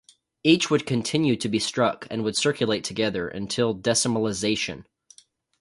Each would continue to be struck, and would circulate together, until decimalisation.